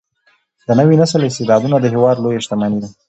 د نوي نسل استعدادونه د هیواد لویه شتمني ده.